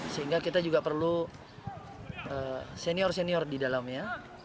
sehingga kita juga perlu senior senior di dalamnya